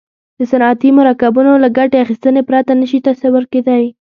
د صنعتي مرکبونو له ګټې اخیستنې پرته نه شي تصور کیدای.